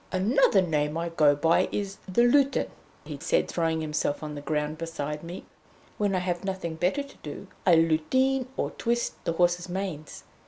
"Another name I go by is the 'Lutin,'" he said, throwing himself on the ground beside me. "When I have nothing better to do, I lutine, or twist, the horses' manes.